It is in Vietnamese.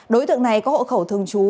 đối tượng này có hộ khẩu thường trú